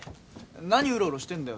何うろうろしてんだよ